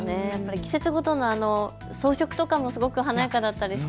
季節ごとの装飾とかもすごく華やかだったですよね。